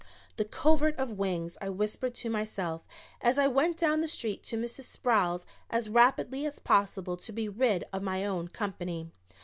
"'The covert of wings,'" I whispered to myself, as I went down the street to Mrs. Sproul's as rapidly as possible to be rid of my own company.